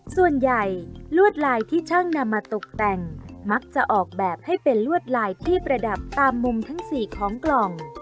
ส่วนใหญ่ลวดลายที่ช่างนำมาตกแต่งมักจะออกแบบให้เป็นลวดลายที่ประดับตามมุมทั้งสี่ของกล่อง